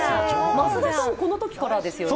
増田さん、このときからですよね。